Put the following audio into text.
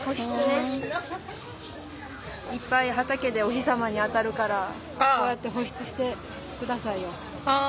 いっぱい畑でお日様に当たるからこうやって保湿して下さいよ。